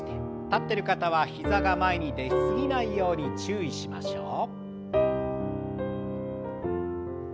立ってる方は膝が前に出過ぎないように注意しましょう。